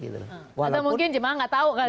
atau mungkin jemaah tidak tahu kali ya